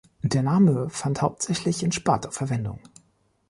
Der Name fand hauptsächlich in Sparta Verwendung.